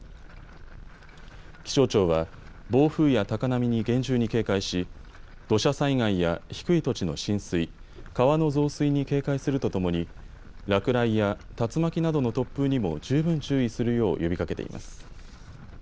気象庁は暴風や高波に厳重に警戒し土砂災害や低い土地の浸水、川の増水に警戒するとともに落雷や竜巻などの突風にも十分注意するよう呼びかけています。